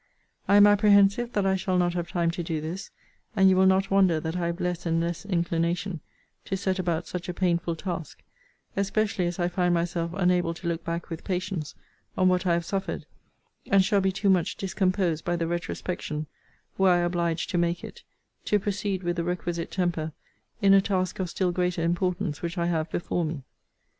I am apprehensive that I shall not have time to do this; and you will not wonder that I have less and less inclination to set about such a painful task; especially as I find myself unable to look back with patience on what I have suffered; and shall be too much discomposed by the retrospection, were I obliged to make it, to proceed with the requisite temper in a task of still greater importance which I have before me.